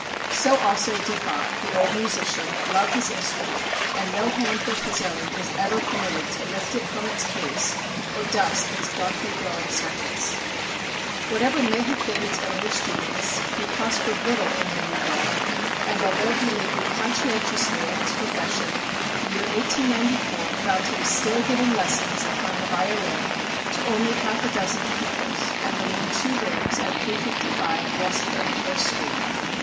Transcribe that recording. So also did Bott, the old musician, love his instrument, and no hand but his own was ever permitted to lift it from its case or dust its darkly glowing surface. Whatever may have been its owner's genius, he prospered little in the new world, and, although he labored conscientiously at his profession, the year 1894 found him still giving lessons upon the violin to only half a dozen pupils, and living in two rooms at 355 West Thirty first Street.